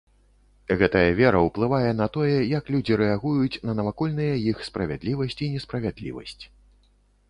Гэтая вера ўплывае на тое, як людзі рэагуюць на навакольныя іх справядлівасць і несправядлівасць.